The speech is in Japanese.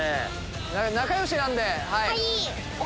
仲良しなんで。